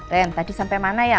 ren tadi sampe mana ya